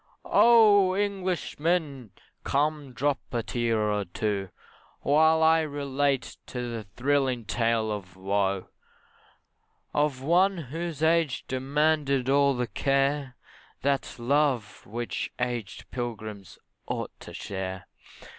Oh! Englishmen, come drop a tear or two, While I relate a thrilling tale of woe, Of one whose age demanded all the care That love which aged pilgrims ought to share.